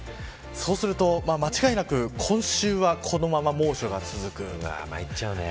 そうすると間違いなく今週は、このまま猛暑が続く。